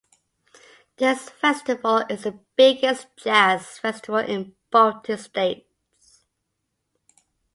This festival is the biggest jazz festival in Baltic states.